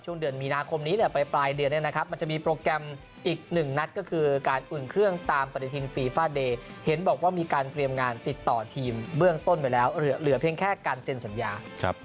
ช่วงเดือนมีนาคมนี้นี่ไปปล่อยเดือนครับน้อยนะคับจะมีโปรแกรมอีกหนึ่งนัทก็คือการอุ่นเครื่องตามประเด็นฟิฟาร์เดสเห็นบอกว่ามีการเตรียมงานติดต่อทีมเบื้องต้นไปแล้วเหลือเหลือเพียงแค่การเซ็นสัญญาครับ